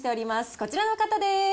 こちらの方でーす。